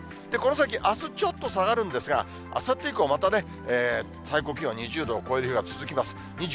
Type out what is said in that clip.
この先、あすちょっと下がるんですが、あさって以降、またね、最高気温２０度を超える日が続きます。